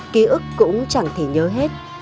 ký ức cũng chẳng thể nhớ hết